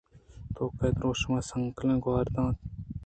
طوقے ءِ درٛوشم ءَ سانکلے گوٛر ءَ دئینت